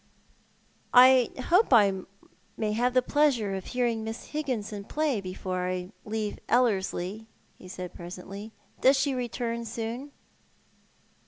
" I hope I may have the pleasure of hearing Miss Higginson play before I leave Ellerslie," he said, presently. " Does she return soon